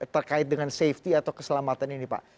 terkait dengan safety atau keselamatan ini pak